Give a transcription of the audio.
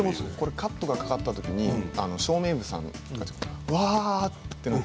カットがかかったときに照明部さんがわあ！となっていました。